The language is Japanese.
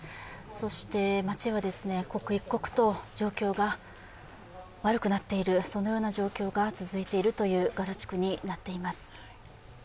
そして街は刻一刻と状況が悪くなっている、そのような状況が続いているというガザ地区になっています。